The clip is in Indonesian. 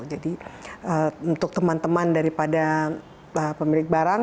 jadi untuk teman teman daripada pemilik barang